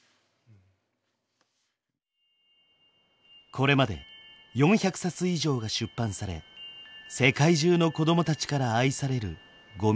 これまで４００冊以上が出版され世界中の子供たちから愛される五味さんの絵本。